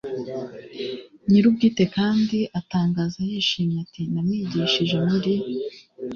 nyirubwite kandi atangaza yishimye ati 'namwigishije muri ..